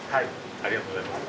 ありがとうございます。